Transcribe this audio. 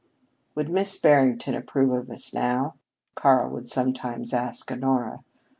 "Would Miss Barrington approve of us now?" Karl would sometimes ask Honora.